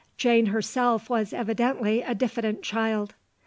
Jane herself was evidently a diffident child.